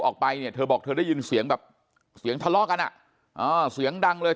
ออกไปเนี่ยเธอบอกเธอได้ยินเสียงแบบเสียงทะเลาะกันอ่ะอ่าเสียงดังเลย